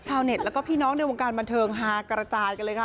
ชาวเน็ตแล้วก็พี่น้องในวงการบันเทิงฮากระจายกันเลยค่ะ